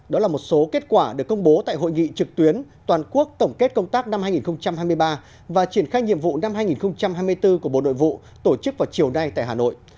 đó là một số kết quả được công bố tại hội nghị trực tuyến toàn quốc tổng kết công tác năm hai nghìn hai mươi ba và triển khai nhiệm vụ năm hai nghìn hai mươi bốn của bộ nội vụ tổ chức vào chiều nay tại hà nội